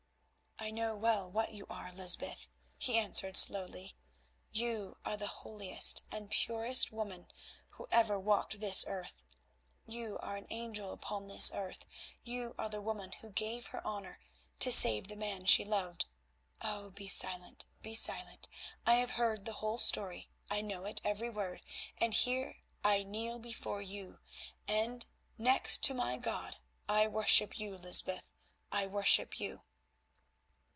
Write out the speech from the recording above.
"I know well what you are, Lysbeth," he answered slowly; "you are the holiest and purest woman who ever walked this earth; you are an angel upon this earth; you are the woman who gave her honour to save the man she loved. Oh! be silent, be silent, I have heard the story; I know it every word, and here I kneel before you, and, next to my God, I worship you, Lysbeth, I worship you."